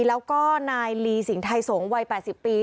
แล้วก็นายลีสิงหัยสงฆ์วัย๘๐ปี